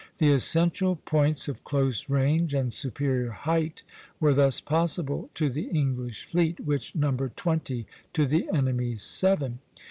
The essential points of close range and superior height were thus possible to the English fleet, which numbered twenty to the enemy's seven.